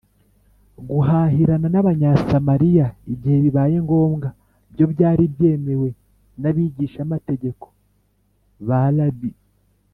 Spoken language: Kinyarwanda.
. Guhahirana n’Abanyasamariya igihe bibaye ngombwa byo byari byemewe n’abigishamategeko (ba Rabbi);